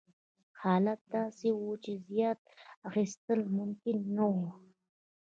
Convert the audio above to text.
حالت داسې و چې زیات اخیستل ممکن نه وو.